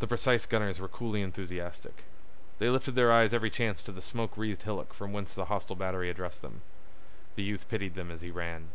The precise gunners were coolly enthusiastic. They lifted their eyes every chance to the smoke wreathed hillock from whence the hostile battery addressed them. The youth pitied them as he ran.